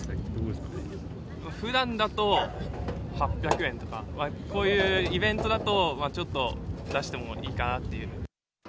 ふだんだと、８００円とか、こういうイベントだとちょっと出してもいいかなっていう。